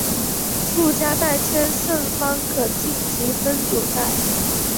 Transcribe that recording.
附加赛圈胜方可晋级分组赛。